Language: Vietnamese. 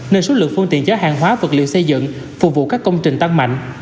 nền xuất lượng phương tiện gió hàng hóa vật liệu xây dựng phục vụ các công trình tăng mạnh